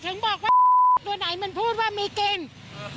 ก็ถึงบอกว่าตัวไหนมันพูดว่ามีเกณฑ์อื้อ